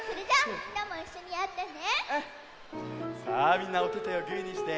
みんなおててをグーにして！